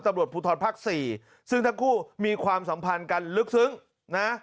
ตำรวจภูทรภาคสี่ซึ่งทั้งคู่มีความสัมพันธ์กันลึกซึ้งนะ